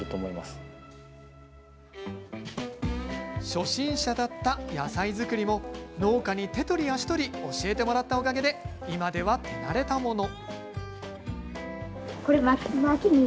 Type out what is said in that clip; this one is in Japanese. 初心者だった野菜作りも農家に、手取り足取り教えてもらったおかげで今では手慣れたもの。